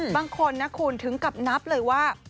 บางคนนะคุณถึงกับนับเลยว่า